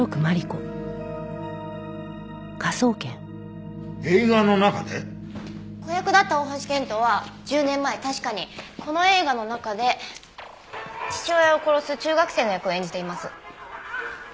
子役だった大橋剣人は１０年前確かにこの映画の中で父親を殺す中学生の役を演じています。